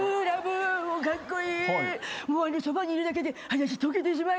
もうそばにいるだけで私溶けてしまいそう。